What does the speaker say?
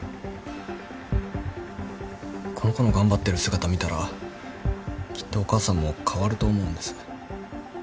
この子の頑張ってる姿見たらきっとお母さんも変わると思うんです。